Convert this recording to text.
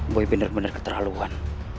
boy bener bener keterlaluan